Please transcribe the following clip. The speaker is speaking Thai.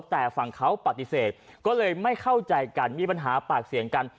แต่ฝั่งเขาปฏิเสธก็เลยไม่เข้าใจกันมีปัญหาปากเสียงกัน